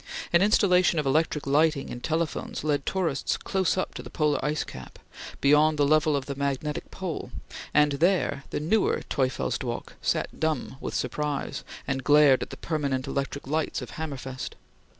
An installation of electric lighting and telephones led tourists close up to the polar ice cap, beyond the level of the magnetic pole; and there the newer Teufelsdrockh sat dumb with surprise, and glared at the permanent electric lights of Hammerfest.